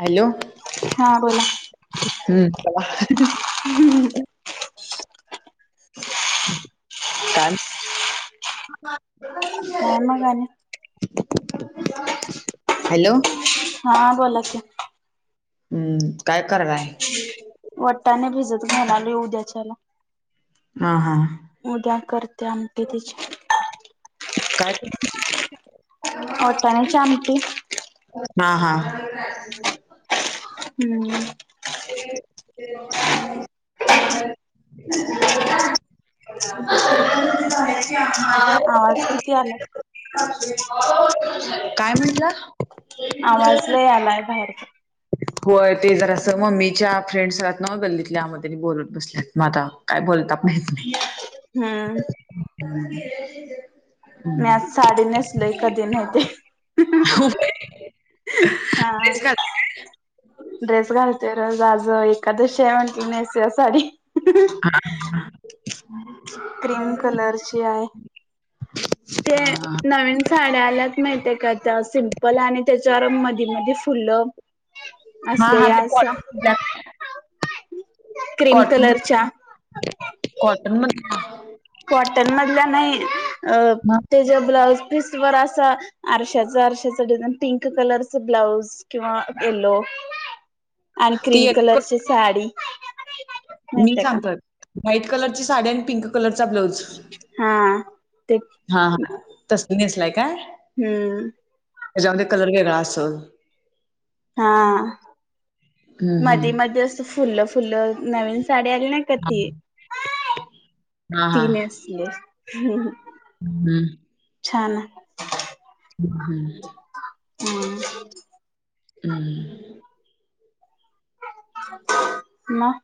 Hello. हम्म बोला. [unintelligible] कायम हॅलो. हा बोला की. हम्म काय करलाय? वट्टाने भिजत घालाली उद्याच्याला. हा हा हा. उद्या करते आमटी तीची. वाटान्याची आमटी. ना हा. [unintelligible] हम्म. [unintelligible] [unintelligible] [unintelligible] काय म्हटला? आवाज लय आलाय बाहेर. होय ते जरा असं मम्मीच्या फ्रेंडसात आल्यात नव्ह गल्लीतल्या ते बोलत बसल्यात मग आता. काय बोलता पण येत नाही. साडी नेसलोय कधी नाही ते. हो तेच ड्रेस घालून येते [unintelligible] ड्रेस घालतोय रोज आज एकादशी हाय म्हटली नेसावी साडी. क्रीम कलरची आहे ते नवीन साड्या आल्यात माहितेय का आता सिम्पल आणि त्याच्यावर मधी मधी फुलं. हा हा ते कॉटन [unintelligible] क्रीम कलरच्या कॉटन मधल्या? कॉटन मधल्या नाही अ त्याच्या ब्लाउज पीस वर असा आरश्याच आरश्याच डिझाईन पिंक कलरच ब्लाऊज. किंवा एलो [unintelligible] आणि क्रीम कलरची साडी. मी सांगत व्हाईट कलरची साडी आणि पिंक कलरचा ब्लाऊज. हा ते हा तसली नेसलाय काय? हम्म. त्याच्यामध्ये कलर वेगळा अस. हा मध्ये मध्ये असं फुल्ल फुल्ल नवीन साडी आली ना तर ति ती नेसले [unintelligible] हम्म. छान. हम्म हम् [unintelligible] हम्म [unintelligible] हम. मग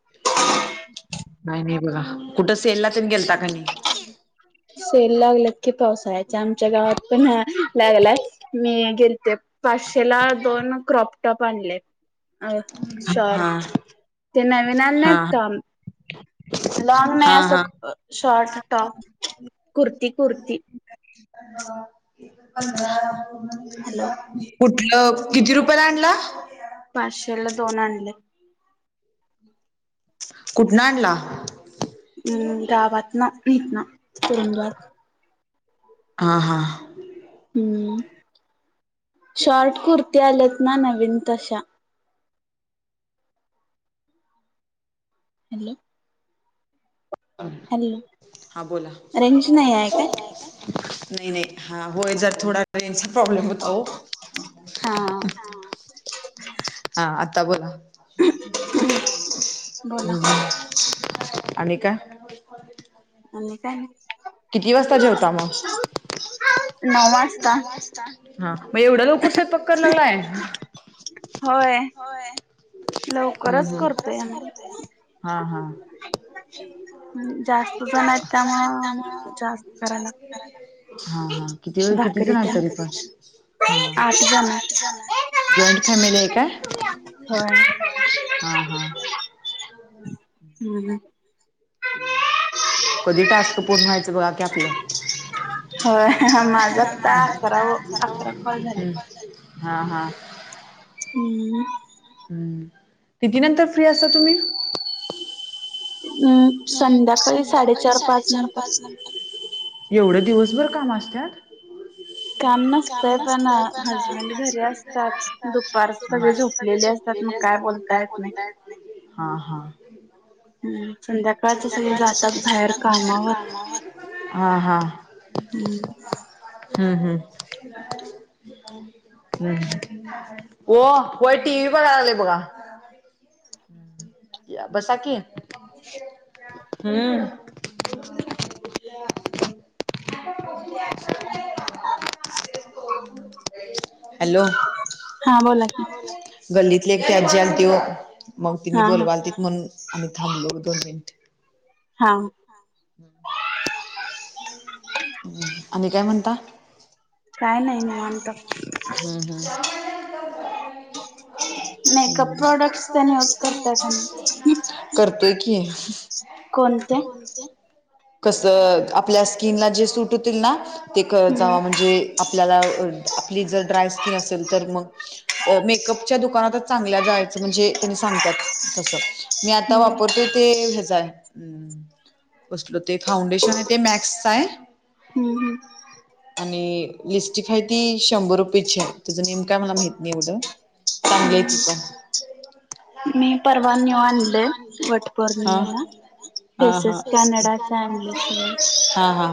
काय नाई बघा कुठं सेलला तेन गेलता कि नाई? सेल लागल्यात की पावसाळ्याच्या आमच्या गावात पण लागलाय. मी या गेलते पाचशेला दोन क्रॉपटॉप आनले. अ शॉर्ट ते नवीन आले नाईत का? [inaudible] [unintelligible] लॉंग नाय असं शॉर्ट टॉप कुर्ती कुर्ती. [unintelligible] कुठलं किती रुपये ला आणला? पाशेला दोन आनले. कुठना आणला? हं गावातना हितना कूरूंदवाड हा हा. हम्म शॉट कुर्ती आल्यात ना नवीन तशा. हॅलो! [unintelligible] हा बोला. नाई नाई हा होय जरा थोडा रेंजचा प्रॉब्लेम होता ओ. हां. हा आता बोला हम्म. आणि काय आणि काय नाय. किती वाजता जेवता म? नऊ वाजता. हा म एवढ्या लवकर स्वयंपाक करू लागलाय. होय. हम्म हम्म. हा हा. हम्म जास्त जण आहेत त्यामुळं जास्त कराय लागते. हा हा किती वेळ किती जनांचा तरी पण हा. जॉईंट फॅमिली हाय काय हा हा. हम्म हम्म. [inaudible] कधी टास्क पूर्ण व्हायचं बा के आपलं हा हा. हम्म. हम्म किती नंतर फ्री असता तुम्ही? उम्म संध्याकाळी साडेचार पाच नंतर. एवढं दिवसभर काम असत्यात. काम नसतय पण [unintelligible] असतात आं दुपारचं सगळ झोप लेले असतात मग काय बोलता येत नाहीये हा हा. हम्म संध्याकाळचा सगळे जातात बाहेर कामावर. हम्म. हम्म हम्म. हम्म हम्म को कोय टी व्ही बघायले बघा. बसा की हम्म. [unintelligible] हॅलो. गल्लीतले एक ती आजी आलती ओ. मग तिनी बोलवालतीत म्हणून आणि थांबलो दोन मिंटं. हा. हम्म आणि काय म्हणता? हम्म हम्म. हम्म हम्म करतोय की. कोणते कसं आपल्या स्किनला जे सूट होतील ना ते करत जावा म्हणजे आपल्याला आपली जर ड्राय स्किन असेल तर मग अ मेकपच्या दुकानातच चांगल्या जायचं म्हणजे त्यानी सांगत्यात तसं. मी आता वापरतोय ते ह्याजा आहे म. कसलं ते फाउंडेशन आहे ते मॅक्सचा आहे. ह ह आणि लिपिस्टिक हायती शंभर रुपयेची आहे त्याचं नेम काय मला माहित नाही एवढं. चांगलीय ती पण. मी परवा न्यू आणलोय, ह [inaudible] हा हा [inaudible] हा हा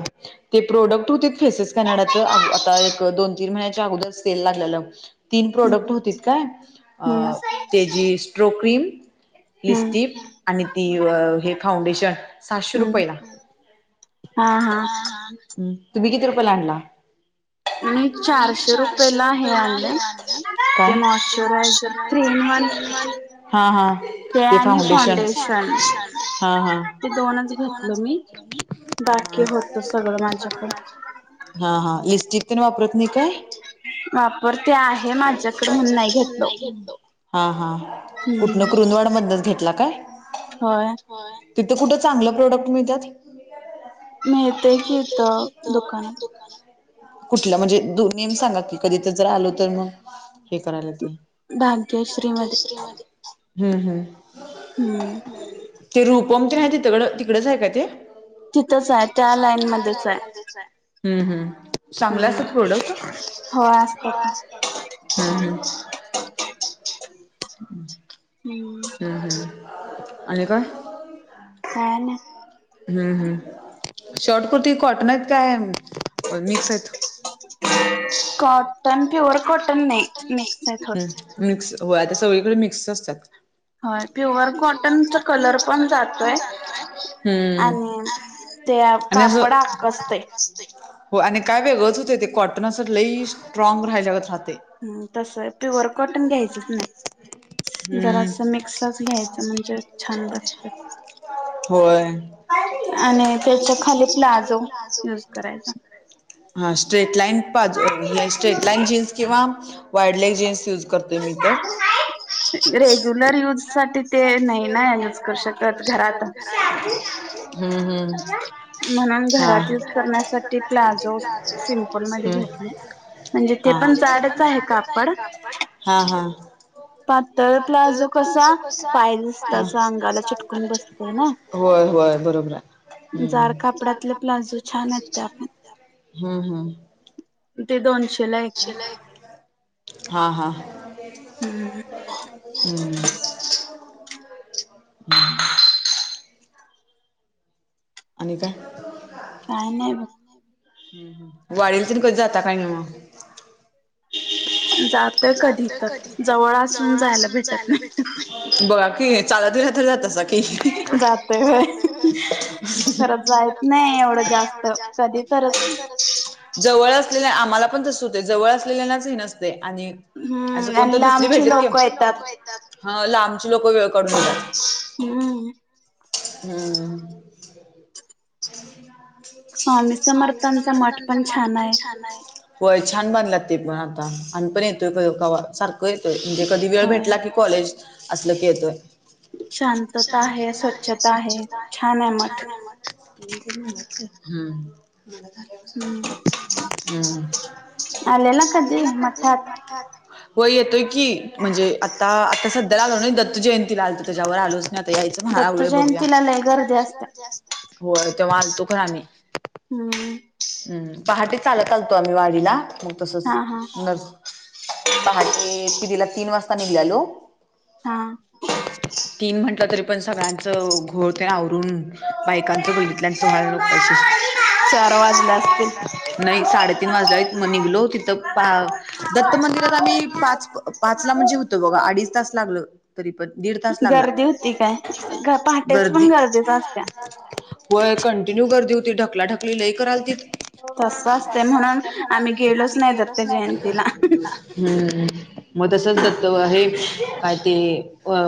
ते प्रोडक्ट होतीत फेसेस कॅनडाचं आता एक दोन तीन महिन्याच्या अगोदर सेल लागलेलं तीन प्रोडक्ट होतीत काय, तेजी स्ट्रो क्रीम लिस्टीप आणि ती हे फाउंडेशन सहाशे रुपयला. हा हा. हा, तुम्ही किती रुपयला आणला. आणि चारशे रुपयला हे आणल ते मॉइश्चराजर [unintelligible] हा हा ते फाउंडेेशन [unintelligible] हा हा ते दोनच घेतलं मी, बाकी होतो सगळं माझ्याकड हा हा लिस्टिक तेन वापरत नाही काय वापरते आहे ते आहे माझ्याकडे म्हणून नाही घेतलो हा हा कुठनं कुंरूदवाड मधनच घेतला काय होय तिथं कुठं चांगल प्रोडक्ट मिळतात मीळतय की इथं दुकानात. कुठल म्हणजे नेम सांगा की, कधी जर आलो तर मग हे करायला येते [inaudible] हम्म हम्म हम्म ते रुपम तेन आहे तिकडं तिकडच आहे का ते तिथच आहे त्या लाईन मध्येच आहे, चांगले असतात प्रोडक्ट. होय असतात, हम्म हम्म ह् [unintelligible] हम्म हम्म हम्म, आणि काय काय नाही. हम्म हम्, शाॅर्ट कुर्ती कॉटन आहेत काय अ मिक्स आहेते. कॉटन, प्युअर कॉटन नाही मिक्स आहे थोडं मिक्स होय, अत्ता सगळीकडे मिक्सच असतात होय, प्युअर कॉटनचा कलर पण जातोय आणि ते अ कापड आकसतय. होय आणि काय वेगळंच होतय ते कॉटन असं लई स्ट्रॉग राहिल्यागत राहतय ह तस प्युअर कॉटन घ्यायचंच नाही जरासं मिक्सच घ्यायचं म्हणजे छान बसतात होय आणि त्याच्या खाली प्लाजो युज करायचा. हा स्ट्रेटलाईन पाजू हे, स्ट्रेटलाईन जीन्स किंवा वाईल्डलाईन जीन्स यूज करतोय मी तर [inaudible] रे रुलर युज साठी ते नाही ना यूज करू शकत, घरात म्हणून घरात युज करण्यासाठी प्लाझो सिपंल मध्ये घेतले म्हणजे ते पण जाडच आहे कापड हा हा पातळ प्लाजो कसा पाय दिसत असं अंगाला चिटकून बसतं ना होय होय बरोबर आहे. हह जाड कापडातले प्लाजो छान असतात, हम हम ते दोनशे ला एक आहे. हा हा हम्म हम्म हम् आणि काय काय नाही बघ हम् वाडीला ते कधी जाता काय नाही मग जातोय कधीतर जवळ असून जायला भेटत नाही बघा कि चालत गेला तरी जातसा की जातोय होय खर जात नाही एवढं जास्त, कधी तरच जवळ असलेल्या आम्हाला पण तसच होते जवळ असलेल्यांनाच हे नसते आणि असं कोणत दुसरी भहिजेत येत ह लांबची लोकं वेळ काढून येतात हम्म हम्म [unintelligible] स्वामी समर्थांचा मठ पण छान आहे. वय छान बानलाय ते पण आता आम्ही पण येतोय कवा सारखं येतोय म्हणजे कधी वेळ भेटला की कॉलेज असलं की येतोय शांतता आहे स्वछता आहे छान आहे मठ [unintelligible] हम्म्म हम, आलेला कधी मठात हो येतोय की म्हणजे आता आता सध्या आलो ना दत्त जयंती ला आलतो त्याच्यावर आलोच नाही आता यायचं म्हनालोय बघ तिला लई गर्दी असतते होय तेव्हा आलतो खर आम्ही. हम्म हम्म पहाटे चालत चालतो आम्ही वाडीला मग तसच न पहाटे कीतीला तिला तीन वाजता निघ आलो हा तीन म्हटलं तरी पण सगळ्यांचं घोळ ते आवरून बायकांच गल्लीतल्यांच व्हायला नको काय चार वाजले असतील नाही साडेतीन वाजल्याय मग निघलो तिथं दत्त मंदिरात आम्ही पाच पाचला म्हणजे होतो बघा अडीच तास लागलं. तरी पण दीड तास गर्दी होती काय, गर्दी होय कंटिन्यू गर्दी होती, ढकलाढकली लई करालतीत तस असतय म्हणून आम्ही गेलोच नाही दत्त जयंतीला हम्म मग तसच दत्त व आहे काय ते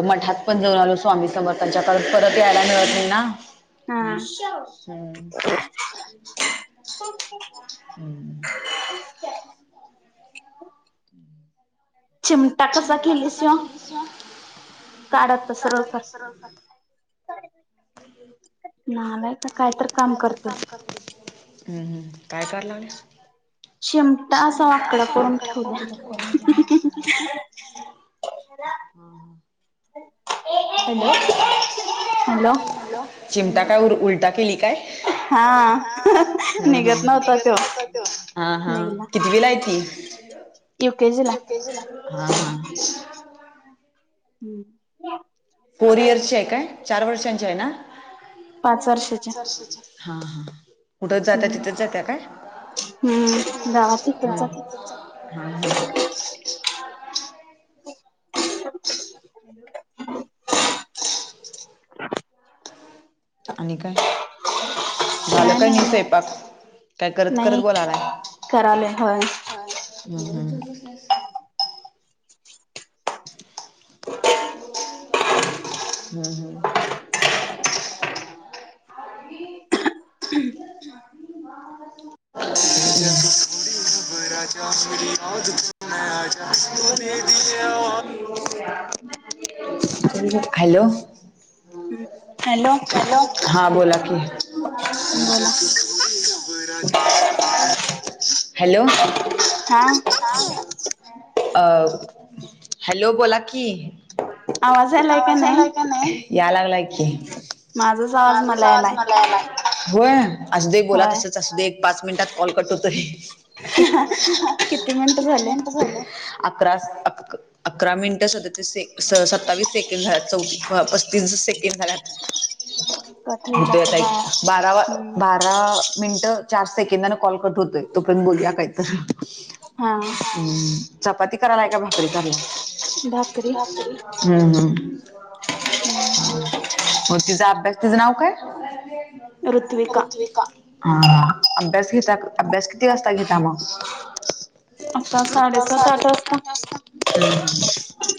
मठात पण जाऊन आलो स्वामी समर्थांच्या त्यांच्या कारने परत यायला मिळत नाही ना [inaudible] [unintelligible] [unintelligible] हम्म. चिमटा कसा घेलीसया. [unintelligible] नालायक हम्म हम्म काय कार लावलेस? चिमटा असा वाकडा करून ठेवलाय. [unintelligible] हॅलो चिमटा काय उलटा केली काय? हम्म हम्म हा हा कितविला आहे ती? यु के जी ला. हा हा. हम्म. पोरियरची आहे काय चार वर्षांची आहे ना? हा हा. कुठं जातं तिथंच जात्या काय हा हा हा. [unintelligible] [unintelligible] आणि काय झालं काय नाही स्वयंपाक? नाही कराले होय. हम्म हम्म. हम्म हम्म. [unintelligible] [unintelligible] [unintelligible] हॅलो. हम्म. हॅलो हा बोला कि. हॅलो. अ हॅलो बोला की. आवाज याला की नाही याय लागला की. माझं झा होय असु दे बोला तसच असु दे एक पाच मिनिटात कॉल कट होतोय. अकरा वास अक अकरा मिनिटं सदौतीस से स सत्तावीस सेकंड झाल्यात चौती हा पस्तीस सेकंड झाल्यात. उद्या ताई बारावा बारा दहा मिनिट चार सेकंदाने कॉल कट होतोय तोपर्यंत बोलूया काहीतर. उम्म चपाती करायलाय का भाकरी करलाय? हम्म हम्म. म तिचा अभ्यास तिचं नाव काय? हा हा अभ्यास घेता अभ्यास किती वाजता घेता मग? हम्म हम्म.